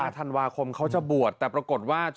ธันวาคมเขาจะบวชแต่ปรากฏว่า